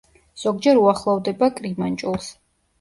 ზოგჯერ უახლოვდება კრიმანჭულს.